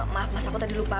maaf mas aku tadi lupa